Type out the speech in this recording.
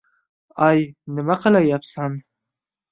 — Ay, nima qilayapsan?